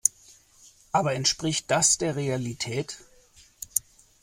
Aber entspricht das der Realität?